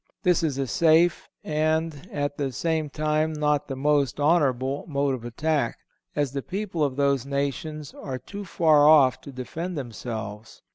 This is a safe, and at the same time not the most honorable, mode of attack, as the people of those nations are too far off to defend themselves.